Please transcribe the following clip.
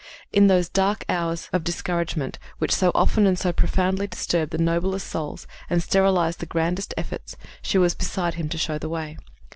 In those hours of dark discouragement which so often and so profoundly disturb the noblest souls and sterilize the grandest efforts, she was beside him to show the way.